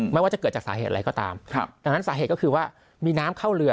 ไม่ว่าจะเกิดจากสาเหตุอะไรก็ตามดังนั้นสาเหตุก็คือว่ามีน้ำเข้าเรือ